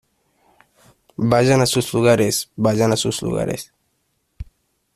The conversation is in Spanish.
¡ Vayan a sus lugares! ¡ vayan a sus lugares !